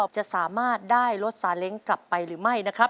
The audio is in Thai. จะสามารถได้รถสาเล้งกลับไปหรือไม่นะครับ